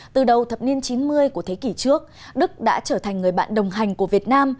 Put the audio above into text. từ đầu thập niên chín mươi của thế kỷ trước đức đã trở thành người bạn đồng hành của việt nam